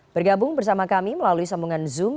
bergabung bersama kami melalui sambungan zoom